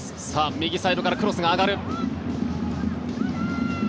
右サイドからクロスが上がる。